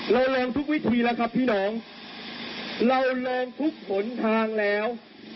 แรงทุกวิธีแล้วครับพี่น้องเราแรงทุกผลทางแล้ว